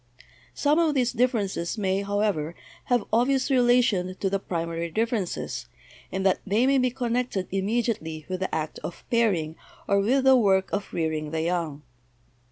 Some of these differences may, however, have obvious relation to the primary differences, in that they may be connected immediately with the act of pairing or with the work of rearing the young.